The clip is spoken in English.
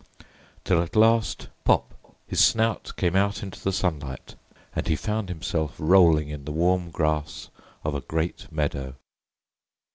till at last, pop! his snout came out into the sunlight, and he found himself rolling in the warm grass of a great meadow.